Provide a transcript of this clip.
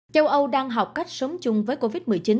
châu âu đang học cách sống chung với covid một mươi chín